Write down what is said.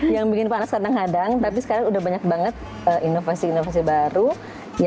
yang bikin panas kadang kadang tapi sekarang udah banyak banget inovasi inovasi baru yang kalau kita pakai baju mengkilat pun ya